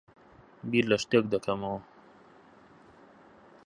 بیر لە شتێک دەکەمەوە.